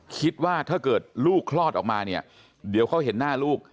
คิดว่าถ้าเกิดลูกคลอดออกมาเนี่ยเดี๋ยวเขาเห็นหน้าลูก